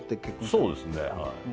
そうですねはい。